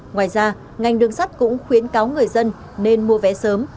ngoài ra ngành đường sắt cũng khuyến cáo người dân nên mua vé sớm